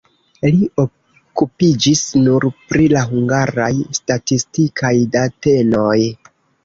Li okupiĝis nur pri la hungaraj statistikaj datenoj.